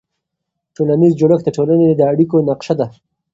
ټولنیز جوړښت د ټولنې د اړیکو نقشه ده.